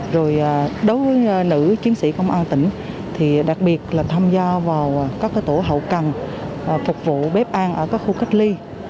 rồi đối với nữ chiến sĩ công an tỉnh thì đặc biệt là tham gia vào các tổ hậu cần phục vụ bếp an ở các khu cách ly